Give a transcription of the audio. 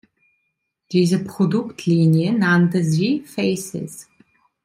Diese Produktlinie nannte sie „Faces“.